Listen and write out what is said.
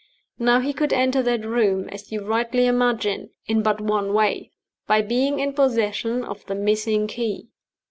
Now he could enter that room, as you rightly imagine, in but one way by being in possession of the missing key.